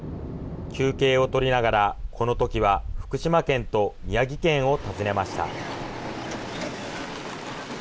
休憩を取りながら、このときは福島県と宮城県を訪ねました。